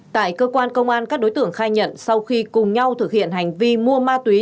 tại cơ quan công an các đối tượng khai nhận sau khi cùng nhau thực hiện hành vi mua ma túy